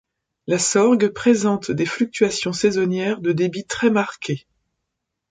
La Sorgues présente des fluctuations saisonnières de débit très marquées.